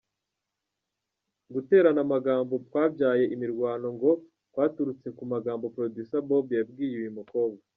Guterana amagambo kwabyaye imirwano ngo kwaturutse ku magambo Producer Bob yabwiye uyu mukobwa.